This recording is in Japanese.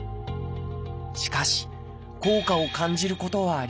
しかし効果を感じることはありませんでした。